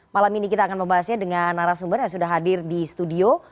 malam ini kita akan membahasnya dengan narasumber yang sudah hadir di studio